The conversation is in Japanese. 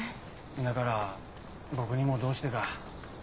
だから僕にもどうしてか。